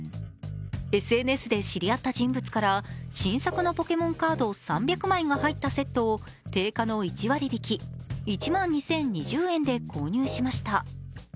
ＳＮＳで知り合った人物から新作のポケモンカード３００枚が入ったセットを定価の１割引、１万２０２０円で購入しました。